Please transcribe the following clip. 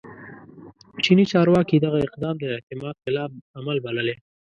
چیني چارواکي دغه اقدام د اعتماد خلاف عمل بللی